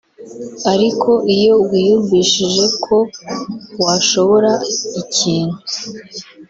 Ariko iyo wiyumvishije ko washobora ikintu